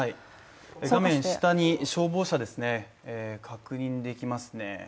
画面下に消防車が確認できますね。